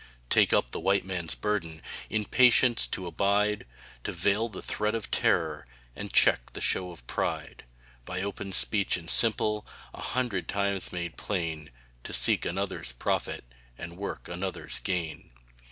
Take up the White Man's burden In patience to abide, To veil the threat of terror And check the show of pride; By open speech and simple, An hundred times made plain, To seek another's profit, And work another's gain.